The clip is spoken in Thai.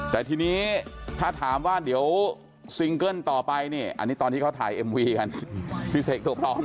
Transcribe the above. แต่ทีนี้ถ้าถามว่าเดี๋ยวซิงเกิ้ลต่อไปนี่อันนี้ตอนที่เขาถ่ายเอ็มวีกันพี่เสกตัวปลอม